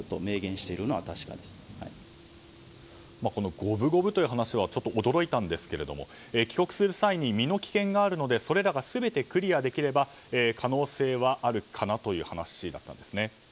五分五分という話はちょっと驚いたんですが帰国する際に身の危険があるのでそれらが全てクリアできれば可能性はあるかなという話だったんですね。